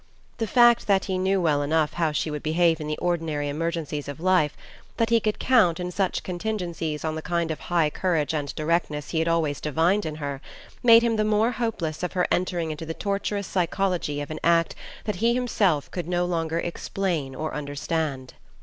The fact that he knew well enough how she would behave in the ordinary emergencies of life, that he could count, in such contingencies, on the kind of high courage and directness he had always divined in her, made him the more hopeless of her entering into the torturous psychology of an act that he himself could no longer explain or understand.